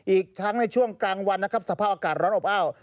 อีกทั้งในช่วงกลางวันนะครับสภาพอากาศร้อนอบอ้าว